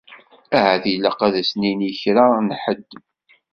Ahat ilaq ad s-nini i kra n ḥedd.